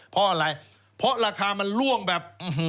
เพราะอะไรเพราะราคามันล่วงแบบ